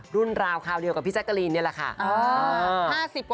ราวคราวเดียวกับพี่แจ๊กกะลีนนี่แหละค่ะ